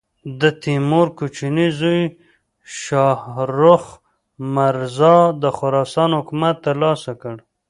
د تیمور کوچني زوی شاهرخ مرزا د خراسان حکومت تر لاسه کړ.